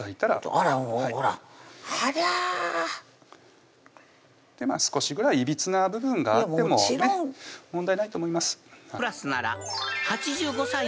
ありゃ少しぐらいいびつな部分があっても問題ないと思います